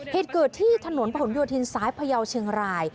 เหตุเกิดที่ถนนประหลุมโยธินซ้ายพระเยาว์เชียงราย